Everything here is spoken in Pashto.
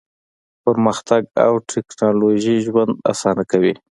پرمختګ او ټیکنالوژي ژوند اسانه کوي.